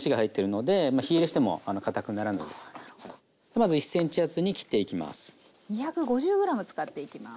まず１ｃｍ厚に切っていきます。